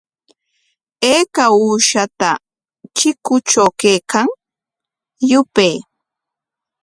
¿Ayka uushata chikutraw kaykan? Yupay.